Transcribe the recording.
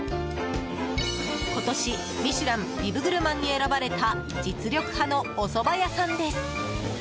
今年、「ミシュランビブグルマン」に選ばれた実力派のおそば屋さんです。